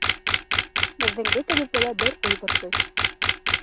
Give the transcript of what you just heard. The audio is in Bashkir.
Беҙҙең бөтәбеҙҙе лә бер уй борсой.